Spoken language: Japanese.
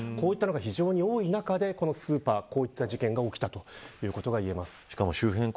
こういったものが非常に多い中でスーパーで事件が起きたということがいえます。